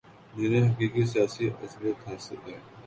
جنہیں حقیقی سیاسی عصبیت حاصل ہے